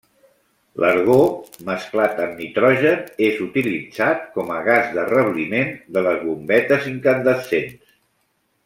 L'argó, mesclat amb nitrogen, és utilitzat com a gas de rebliment de les bombetes incandescents.